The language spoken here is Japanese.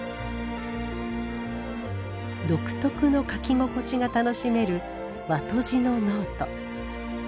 独特の書き心地が楽しめる和とじのノート。